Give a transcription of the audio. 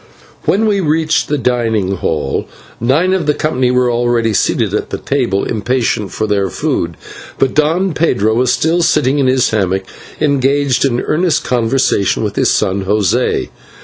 When we reached the dining hall, nine of the company were already seated at the table impatient for their food, but Don Pedro was still sitting in his hammock engaged in earnest conversation with his son José.